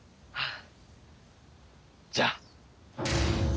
じゃあ。